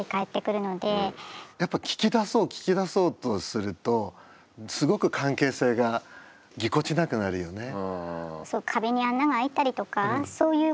やっぱ聞き出そう聞き出そうとするとすごく関係性がぎこちなくなるよね。